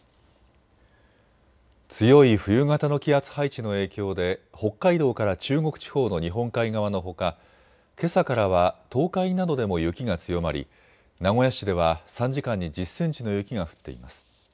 強い冬型の気圧配置の影響で北海道から中国地方の日本海側のほか、けさからは東海などでも雪が強まり名古屋市では３時間に１０センチの雪が降っています。